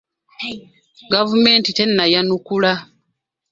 Gavumenti tennayanukula.